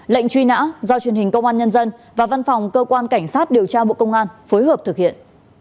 lệnh truy nã do truyền hình công an nhân dân và văn phòng cơ quan cảnh sát điều tra bộ công an phối hợp thực hiện